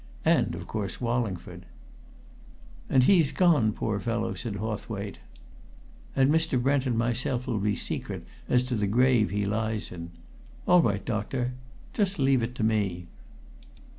And, of course, Wallingford." "And he's gone, poor fellow!" said Hawthwaite. "And Mr. Brent and myself'll be secret as the grave he lies in! All right, doctor just leave it to me."